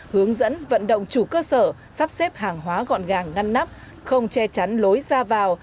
hướng dẫn vận động chủ cơ sở sắp xếp hàng hóa gọn gàng ngăn nắp không che chắn lối ra vào